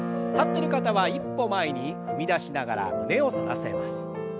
立ってる方は一歩前に踏み出しながら胸を反らせます。